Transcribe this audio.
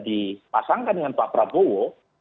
dipasangkan dengan pak prabowo